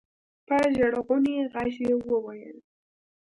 په ژړغوني غږ يې وويل.